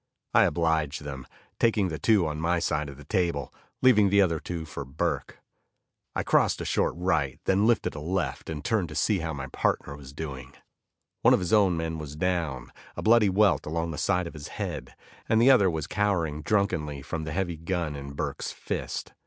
I obliged them, taking the two on my side of the table, leaving the other two for Burke. I crossed a short right, then lifted a left, and turned to see how my partner was doing. One of his own men was down, a bloody welt along the side of his head, and the other was cowering drunkenly from the heavy gun in Burke's fist.